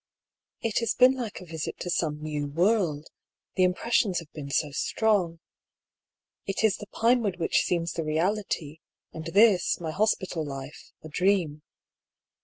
It has been like a visit to some new world : the im pressions have been so strong. It is the Pinewood which seems the reality, and this, my hospital life, a dream.